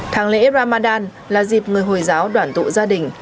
tháng lễ ramadan là dịp người hồi giáo đoàn tụ gia đình